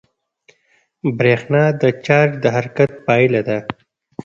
برېښنا د چارج د حرکت پایله ده.